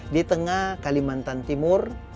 di tengah kalimantan timur